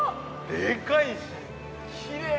◆でかいし、きれい！